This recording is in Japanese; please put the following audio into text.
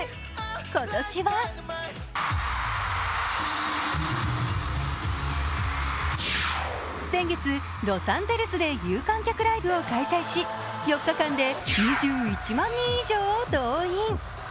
今年は先月ロサンゼルスで有観客ライブを開催し４日間で２１万人以上を動員。